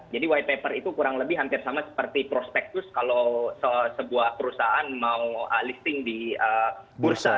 jadi white paper itu kurang lebih hampir sama seperti prospektus kalau sebuah perusahaan mau listing di bursa